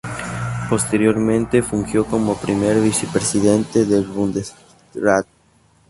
Posteriormente fungió como Primer Vicepresidente del Bundesrat.